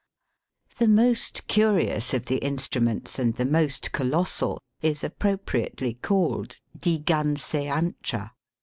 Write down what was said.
The most curious of the instruments, and the most colossal, is appropriately called Digan sayantra.